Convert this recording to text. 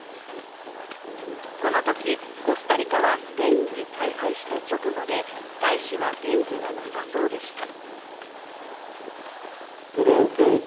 このとき、コスタリカはスペインに大敗した直後で大使は元気がなさそうでした。